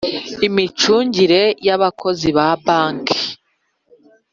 Imicungire y abakozi ba banki